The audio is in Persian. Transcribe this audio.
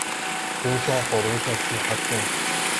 جوش و خروش سیاسی